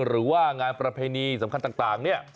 หรือว่างานประเพณีสำคัญต่างเนี่ย